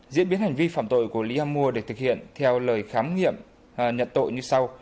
diễn biến hành vi phạm tội của lý am mua được thực hiện theo lời khám nghiệm nhận tội như sau